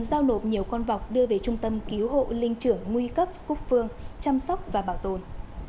giao nộp nhiều con vọc đưa về trung tâm cứu hộ linh trưởng nguy cấp quốc phương chăm sóc và bảo tồn